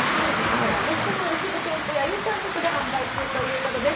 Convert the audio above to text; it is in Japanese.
ロフトの一部店舗やインターネットで販売中ということです。